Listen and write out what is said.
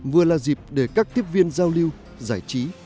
vừa là dịp để các tiếp viên giao lưu giải trí